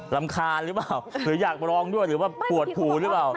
ลำคาญรึเหรอหรอหรืออยากไปลองด้วยเหรอว่าปวดหูหรือเปล่า